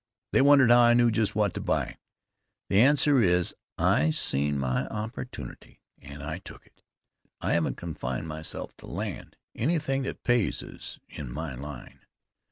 They wondered how I knew just what to buy. The answer is I seen my opportunity and I took it. I haven't confined myself to land; anything that pays is in my line.